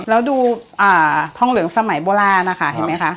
แล้วดูทองเหลืองสมัยโบราณนะคะเห็นไหมคะ